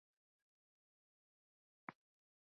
ئەو دەم چارەی سیل زۆر لە ئێستا کەمتر بوو